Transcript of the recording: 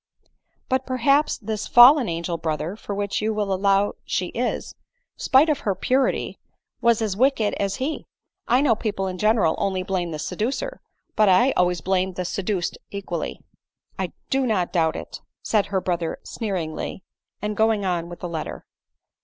" But perhaps this fallen angel, brother, for such you will allow she is, spite of her purity y was as wicked as he. I know people in general only blame the seducer, but I always blame the seduced equally." " I do not doubt it," said her brother sneeringly, and going on with the letter.